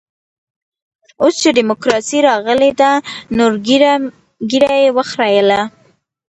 اوس چې ډيموکراسي راغلې ده نو ږيره يې وخرېیله.